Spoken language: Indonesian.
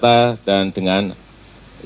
dengan perusahaan dengan perusahaan dengan perusahaan